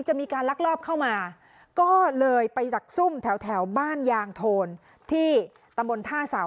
จะมีการลักลอบเข้ามาก็เลยไปดักซุ่มแถวบ้านยางโทนที่ตำบลท่าเสา